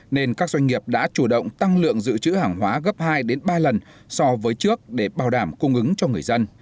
nên các doanh nghiệp đã chủ động tăng lượng dự trữ hàng hóa gấp hai ba lần so với trước để bảo đảm cung ứng cho người dân